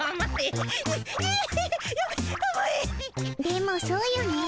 でもそうよね。